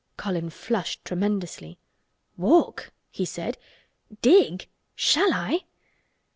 Colin flushed tremendously. "Walk!" he said. "Dig! Shall I?"